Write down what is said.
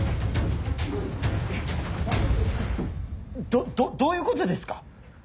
どどどういうことですか？